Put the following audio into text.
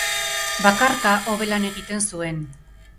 Bakarka hobe lan egiten zuen.